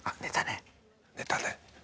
寝たね。